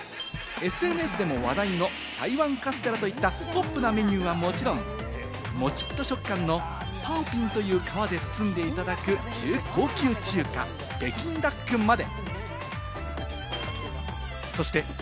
ＳＮＳでも話題の台湾カステラといったポップなメニューはもちろん、モチっと食感のパオピンという皮で包んでいただく高級中華・北京ダックまで。